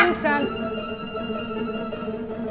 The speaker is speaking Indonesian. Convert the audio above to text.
yuk ke sana